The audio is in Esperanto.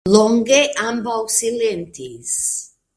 Longe ambaŭ silentis.